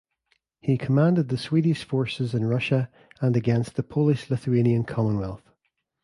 He commanded the Swedish forces in Russia and against the Polish-Lithuanian Commonwealth.